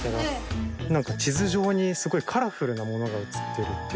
地図上にすごいカラフルなものが写ってるっていう。